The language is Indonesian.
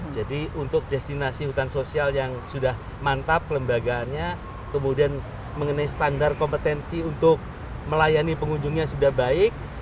jadi untuk destinasi hutan sosial yang sudah mantap kelembagaannya kemudian mengenai standar kompetensi untuk melayani pengunjungnya sudah baik